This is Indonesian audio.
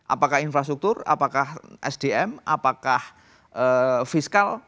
apakah infrastruktur apakah sdm apakah fiskal